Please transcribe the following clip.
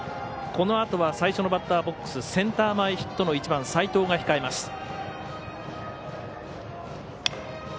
このあとは最初のバッターボックスセンター前ヒットの１番齋藤が控えます。